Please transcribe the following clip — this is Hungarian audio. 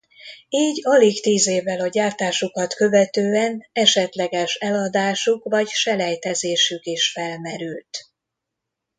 Így alig tíz évvel a gyártásukat követően esetleges eladásuk vagy selejtezésük is felmerült.